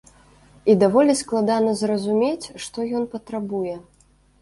І даволі складана зразумець, што ён патрабуе.